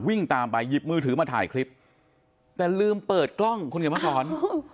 วิ่งตามไปหยิบมือถือมาถ่ายคลิปแต่ลืมเปิดกล้องคุณเขียนมาสอน